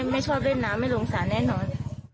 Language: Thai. ไม่ชอบเล่นน้ำไม่ลงสารแน่นอน